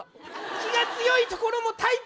気が強いところもタイプ！